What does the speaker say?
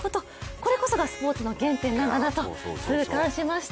これこそがスポーツの原点なんだなと痛感しました。